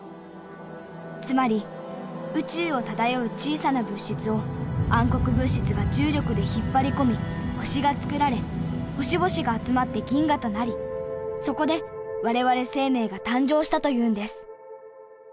つまり宇宙を漂う小さな物質を暗黒物質が重力で引っ張り込み星がつくられ星々が集まって銀河となりそこで我々生命が誕生したというんです。